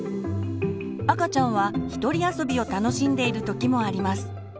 赤ちゃんは一人遊びを楽しんでいる時もあります。